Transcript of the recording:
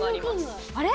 あれ？